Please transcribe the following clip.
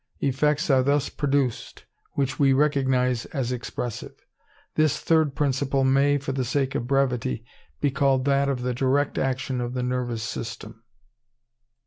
Effects are thus produced which we recognize as expressive. This third principle may, for the sake of brevity, be called that of the direct action of the nervous system.